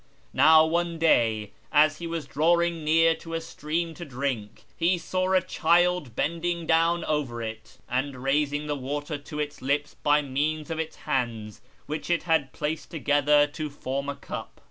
Now one day, as he was drawing near to a stream to drink, he saw a child bending down over it, and raising the water to its lips by means of its hands, which it had placed together to form a cup.